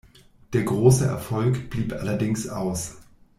Der große Erfolg blieb allerdings aus.